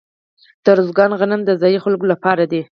د ارزګان غنم د ځايي خلکو لپاره دي.